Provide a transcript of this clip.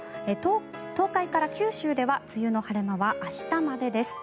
東海から九州では梅雨の晴れ間は明日までです。